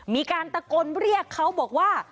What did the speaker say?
มีการตะโกนเรียกเขาบอกว่า